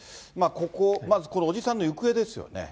ここ、まずこの伯父さんの行方ですよね。